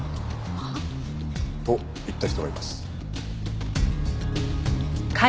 はあ？と言った人がいます。